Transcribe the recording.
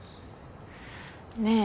ねえ。